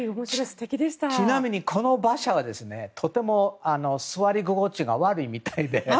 ちなみに、この馬車はとても座り心地が悪いみたいで。